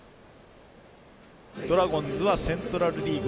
ドラゴンズはセントラル・リーグ